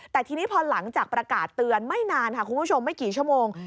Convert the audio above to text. แต่ทีนี้พอหลังจากประกาศเตือนไม่นานค่ะคุณผู้ชมไม่กี่ชั่วโมง